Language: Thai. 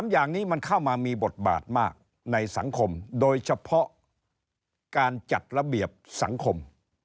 อย่างนี้มันเข้ามามีบทบาทมากในสังคมโดยเฉพาะการจัดระเบียบสังคม